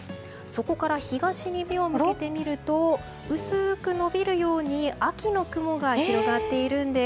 そこから東に目を向けてみると薄く延びるように秋の雲が広がっているんです。